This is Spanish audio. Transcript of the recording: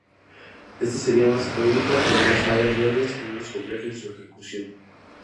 Ésta sería más económica, con más áreas verdes, y menos compleja en su ejecución.